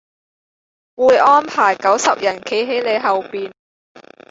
會安排九十人企喺你後面